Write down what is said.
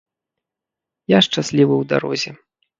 Я шчаслівы ў дарозе.